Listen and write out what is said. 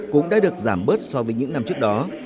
cũng đã được giảm bớt so với những năm trước đó